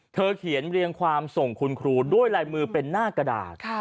เขียนเรียงความส่งคุณครูด้วยลายมือเป็นหน้ากระดาษ